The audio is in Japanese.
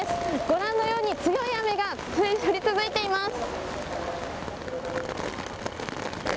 ご覧のように強い雨が降り続いています。